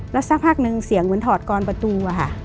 แล้วสักพักหนึ่งเสียงเหมือนถอดกรประตูอะค่ะ